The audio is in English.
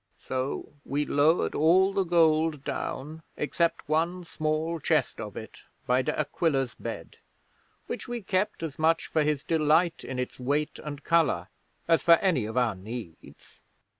So we lowered all the gold down except one small chest of it by De Aquila's bed, which we kept as much for his delight in its weight and colour as for any of our needs.